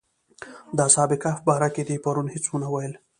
د اصحاب کهف باره کې دې پرون هېڅ ونه ویل.